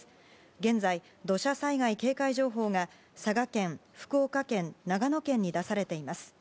現在、土砂災害警戒情報が佐賀県、福岡県、長野県に出されています。